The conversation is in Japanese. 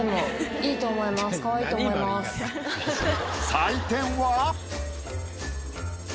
採点は？